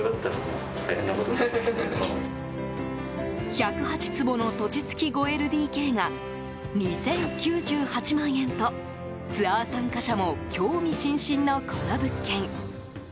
１０８坪の土地付き５ＬＤＫが２０９８万円とツアー参加者も興味津々のこの物件。